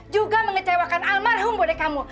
juga mengecewakan almarhum buddha kamu